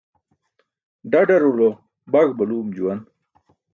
ḍaḍarulo baý baluum juwan.